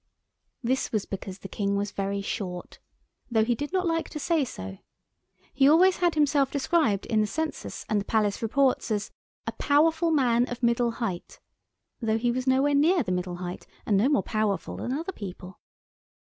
This was because the King was very short, though he did not like to say so. He always had himself described in the Census and the Palace Reports as a "powerful man of middle height," though he was nowhere near the middle height, and no more powerful than other people.